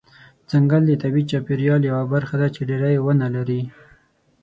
ځنګل د طبیعي چاپیریال یوه برخه ده چې ډیری ونه لري.